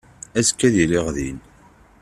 Azekka ad iliɣ din.